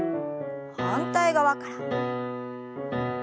反対側から。